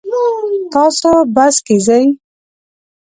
تاسو بس کې ځئ؟